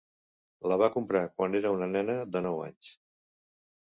La va comprar quan era una nena de nou anys.